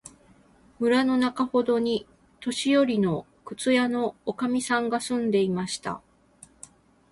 村のなかほどに、年よりの靴屋のおかみさんが住んでいました。